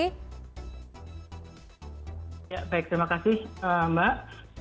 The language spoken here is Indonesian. ya baik terima kasih mbak